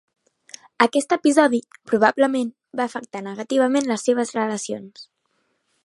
Aquest episodi probablement va afectar negativament les seves relacions.